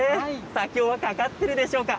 きょうはかかっているでしょうか。